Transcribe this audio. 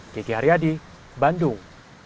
kiki haryadi bandung